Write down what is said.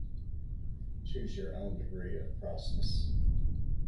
Choose your own degree of crossness.